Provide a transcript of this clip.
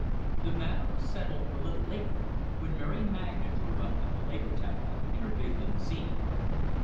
The matter was settled a little later, when Mary Magna drove up to the Labor Temple in her big limousine.